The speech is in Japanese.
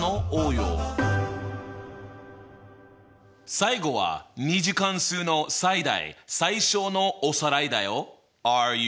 最後は２次関数の最大・最小のおさらいだよ。